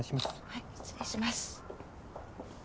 ・はい失礼します